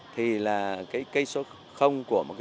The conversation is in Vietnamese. thì là cây số của chúng ta